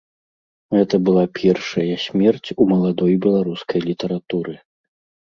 Гэта была першая смерць у маладой беларускай літаратуры.